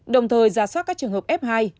đồng thời giả soát các trường hợp f hai